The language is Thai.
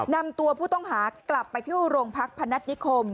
นำตัวผู้ต้องหากลับไปที่โรงพักพนัฐนิคม